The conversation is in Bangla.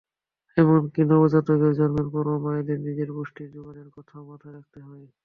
এমনকি নবজাতকের জন্মের পরও মায়েদের নিজের পুষ্টির জোগানের কথা মাথায় রাখতে হয়।